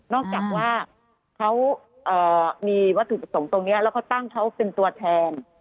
นอกจากว่าเขามีวัตถุส่งตรงเนี่ยแล้วก็ตั้งเขาเป็นตัวแทน